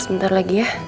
sebentar lagi ya